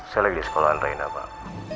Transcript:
saya lagi di sekolah andrina pak